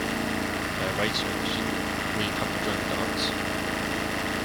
They are waiting on the shingle—will you come and join the dance?